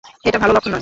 এটা ভালো লক্ষণ নয়।